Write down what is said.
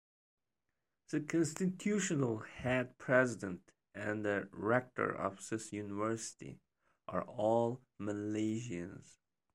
The Constitutional Head, President and Rector of this university are all Malaysians.